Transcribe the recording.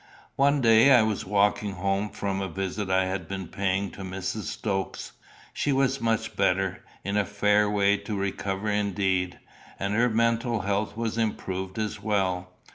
One day I was walking home from a visit I had been paying to Mrs. Stokes. She was much better, in a fair way to recover indeed, and her mental health was improved as well.